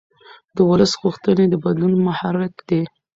د ولس غوښتنې د بدلون محرک دي